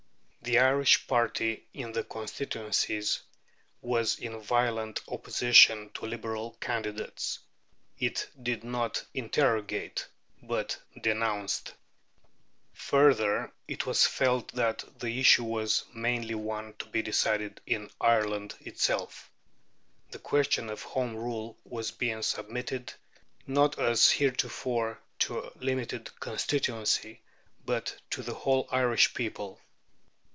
The Irish party in the constituencies was in violent opposition to Liberal candidates; it did not interrogate, but denounced. Further, it was felt that the issue was mainly one to be decided in Ireland itself. The question of Home Rule was being submitted, not, as heretofore, to a limited constituency, but to the whole Irish people.